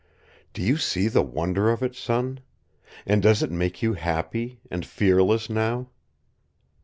Do you see the wonder of it, son? And does it make you happy, and fearless now?"